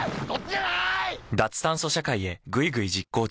脱炭素社会へぐいぐい実行中。